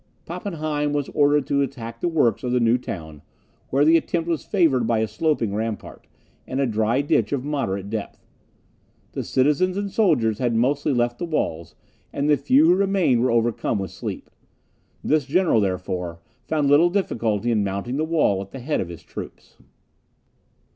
Pappenheim was ordered to attack the works of the new town, where the attempt was favoured by a sloping rampart, and a dry ditch of moderate depth. The citizens and soldiers had mostly left the walls, and the few who remained were overcome with sleep. This general, therefore, found little difficulty in mounting the wall at the head of his troops.